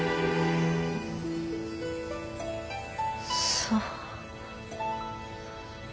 そう。